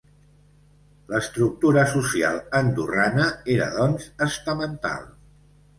L'estructura social andorrana era doncs estamental.